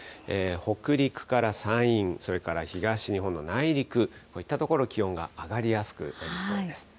北陸から山陰、それから東日本の内陸、こういった所、気温が上がりやすくなりそうです。